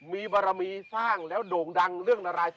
มีบรรณีสร้างแล้วโด่งดังเรื่องนาราย